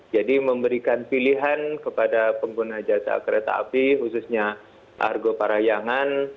jadi memberikan pilihan kepada pengguna jasa kereta api khususnya argo parahiangan